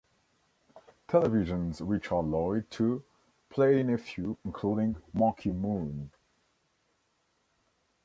Television's Richard Lloyd, too, played in a few, including "Marquee Moon".